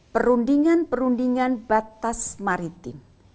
perundingan perundingan batas maritim